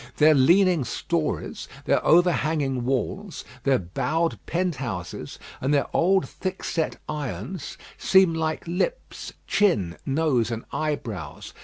Their leaning stories, their overhanging walls, their bowed penthouses, and their old thick set irons, seem like lips, chin, nose, and eyebrows.